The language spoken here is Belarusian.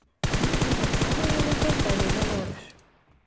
У мяне таксама жыве хвастаты таварыш.